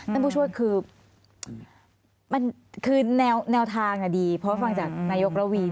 ท่านผู้ช่วยคือแนวทางดีเพราะคุณฟังจาก๗๐๐